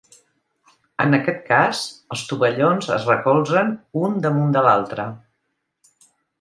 En aquest cas, els tovallons es recolzen un damunt de l'altre.